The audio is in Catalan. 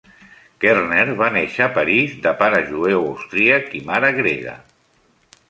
Koerner va néixer a París, de pare jueu austríac i mare grega.